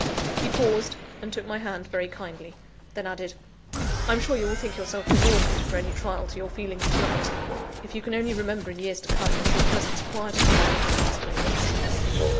He paused, and took my hand very kindly; then added: "I am sure you will think yourself rewarded for any trial to your feelings to night, if you can only remember in years to come, that your presence quieted her in her last moments!"